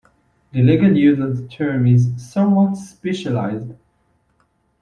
The legal use of the term is somewhat specialized.